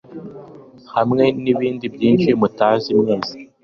hamwe nibindi byinshi mutazi mwese